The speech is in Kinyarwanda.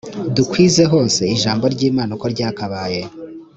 dukwize hose ijambo ry imana uko ryakabaye